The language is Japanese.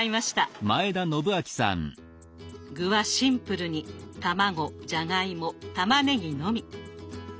具はシンプルに卵じゃがいもたまねぎのみ。